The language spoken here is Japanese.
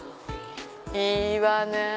いいわねぇ。